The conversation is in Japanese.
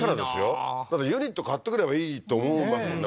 いいなーだってユニット買ってくればいいって思いますもんね